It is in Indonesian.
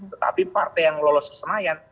tetapi partai yang lolos ke senayan